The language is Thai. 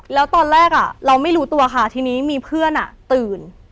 แล้วตอนแรกเราไม่รู้ตัวค่ะทีนี้มีเพื่อนตื่น